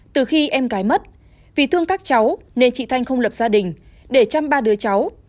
từ khi em gái mất vì thương các cháu nên chị thanh không lập gia đình để chăm ba đứa cháu